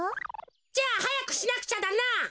じゃあはやくしなくちゃだな！